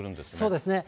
そうですね。